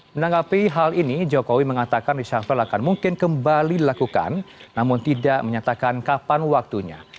menanggapi hal ini jokowi mengatakan reshuffle akan mungkin kembali dilakukan namun tidak menyatakan kapan waktunya